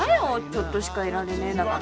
ちょっとしかいられねえんだから。